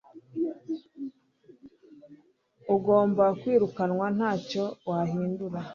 ugomba kwirukanwa ntacyo wahindura